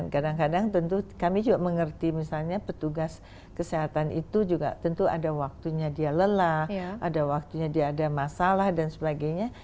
kadang kadang tentu kami juga mengerti misalnya petugas kesehatan itu juga tentu ada waktunya dia lelah ada waktunya dia ada masalah dan sebagainya